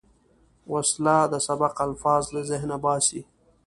وسله د سبق الفاظ له ذهنه باسي